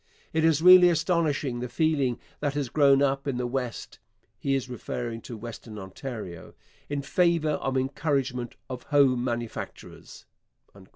It is really astonishing the feeling that has grown up in the West [he is referring to Western Ontario] in favour of encouragement of home manufactures.